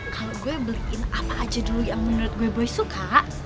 kalau gue beliin apa aja dulu yang menurut gue gue suka